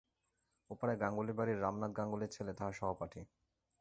ওপাড়ায় গাঙ্গুলি-বাড়ির রামনাথ গাঙ্গুলির ছেলে তাহার সহপাঠী।